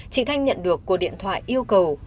chị thanh nhận được cuộc điện thoại yêu cầu